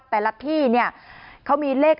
แต่ละที่เนี่ยเขามีเลข